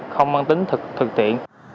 khoảng tầm thứ ba đêm